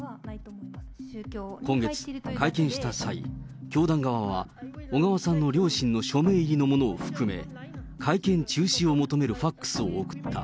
今月、会見した際、教団側は小川さんの両親の署名入りのものを含め、会見中止を求めるファックスを送った。